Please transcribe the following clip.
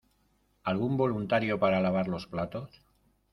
¿Algún voluntario para lavar los platos?